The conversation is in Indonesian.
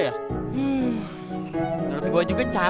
kayanya ini dia